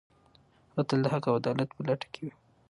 هغه تل د حق او عدالت په لټه کې و.